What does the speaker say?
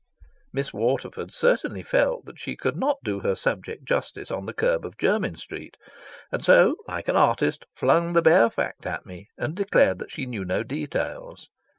Miss Waterford certainly felt that she could not do her subject justice on the curb of Jermyn Street, and so, like an artist, flung the bare fact at me and declared that she knew no details.